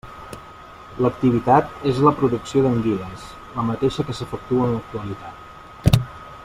L'activitat és la producció d'anguiles, la mateixa que s'efectua en l'actualitat.